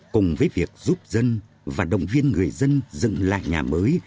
cùng với việc giúp dân và động viên người dân dựng lại nhà mới